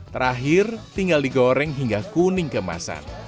terakhir tinggal digoreng hingga kuning kemasan